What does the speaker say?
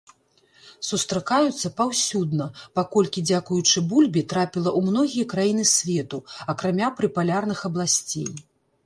Сустракаюцца паўсюдна, паколькі дзякуючы бульбе трапіла ў многія краіны свету, акрамя прыпалярных абласцей.